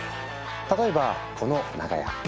例えばこの長屋。